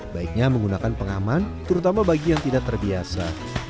baiknya menggunakan pengaman terutama bagi yang tidak terbiasa